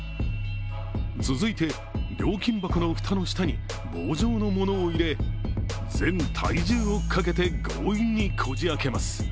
続いて、料金箱の蓋の下に棒状のものを入れ全体重をかけて強引にこじあけます。